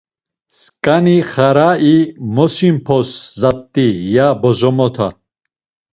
Sǩani xarai mosimp̌os zat̆i, ya bozomota.